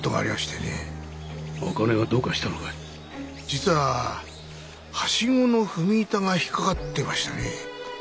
実はハシゴの踏み板が引っ掛かってましてね。